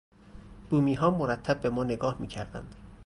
بومیها مرتب به ما نگاه میکردند.